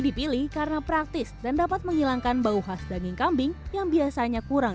dipilih karena praktis dan dapat menghilangkan bau khas daging kambing yang biasanya kurang